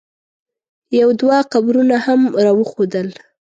یو دوه قبرونه یې هم را وښودل.